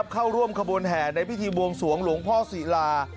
เข้าร่วมขบวนแห่ในพิธีบวงสวงหลวงพ่อศิลา